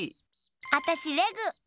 あたしレグ！